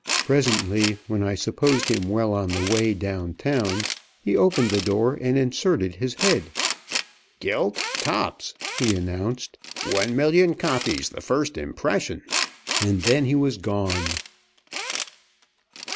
Presently, when I supposed him well on the way down town, he opened the door and inserted his head. "Gilt. tops," he announced. "One million copies the first impression!" And then he was gone.